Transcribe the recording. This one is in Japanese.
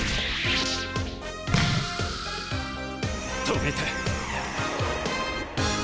止めた。